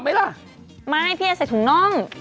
ไม่นางใส่ถุงน้อง